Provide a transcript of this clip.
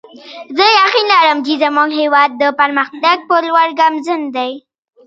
زه یقین لرم چې زموږ هیواد د پرمختګ په لور ګامزن دی